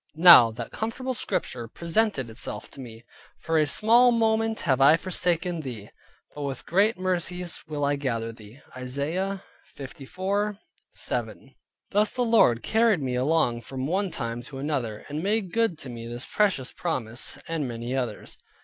Now that comfortable Scripture presented itself to me, "For a small moment have I forsaken thee, but with great mercies will I gather thee" (Isaiah 54.7). Thus the Lord carried me along from one time to another, and made good to me this precious promise, and many others.